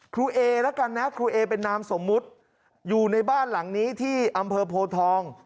เอละกันนะครูเอเป็นนามสมมุติอยู่ในบ้านหลังนี้ที่อำเภอโพทอง